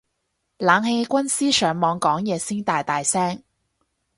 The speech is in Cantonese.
冷氣軍師上網講嘢先大大聲